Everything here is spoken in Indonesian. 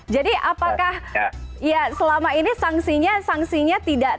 jadi apakah ya selama ini sanksinya tidak dianggap tegas